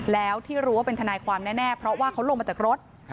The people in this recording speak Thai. แล้วที่รู้ว่าเป็นทนายความแน่เพราะว่าเขาลงมาจากรถ